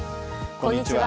こんにちは。